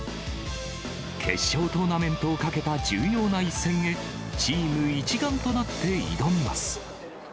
決勝トーナメントをかけた重要な一戦へ、チーム一丸となって挑みます。